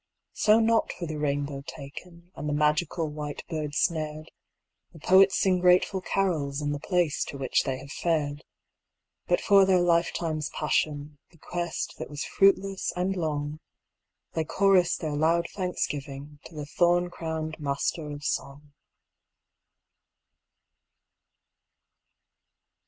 So not for the Rainbow taken And the magical White Bird snared The poets sing grateful carols In the place to which they have fared; But for their lifetime's passion, The quest that was fruitless and long, They chorus their loud thanksgiving To the thorn crowned Master of Song.